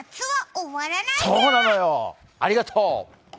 ありがとう。